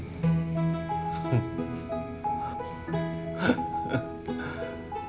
sekarang sudah akil balik